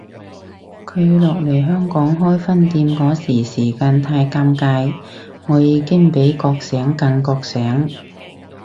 佢落嚟香港開分店嗰個時間太尷尬，我已經比覺醒更覺醒